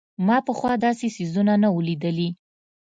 ما پخوا داسې څيزونه نه وو لېدلي.